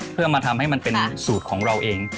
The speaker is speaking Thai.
เพื่อมาทำให้มันเป็นสูตรของเราเอง